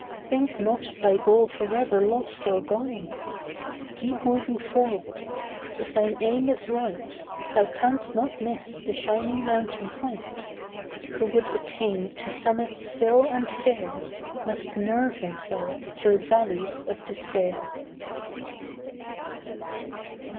Think not thy goal forever lost or gone. Keep moving forward; if thine aim is right Thou canst not miss the shining mountain height. Who would attain to summits still and fair, Must nerve himself through valleys of despair.